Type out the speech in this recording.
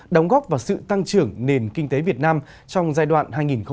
đóng góp vào sự tăng trưởng nền kinh tế việt nam trong giai đoạn hai nghìn một mươi sáu hai nghìn hai mươi